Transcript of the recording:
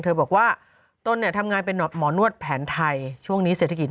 บอกว่าตนเนี่ยทำงานเป็นหมอนวดแผนไทยช่วงนี้เศรษฐกิจ